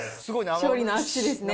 勝利の握手ですね。